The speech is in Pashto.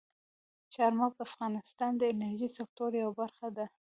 چار مغز د افغانستان د انرژۍ د سکتور یوه برخه ده.